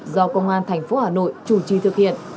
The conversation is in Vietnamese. do công an thành phố hà nội chủ trì thực hiện